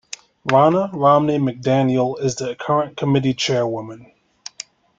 Ronna Romney McDaniel is the current committee chairwoman.